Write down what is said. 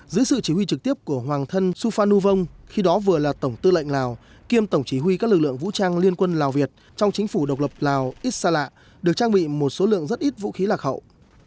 dưới sự chỉ huy trực tiếp của hoàng thân suphanuvong khi đó vừa là tổng tư lệnh lào kiêm tổng chỉ huy các lực lượng vũ trang liên quân lào việt trong chính phủ độc lập lào issala được trang bị một số lượng rất ít vũ khí lạc hậu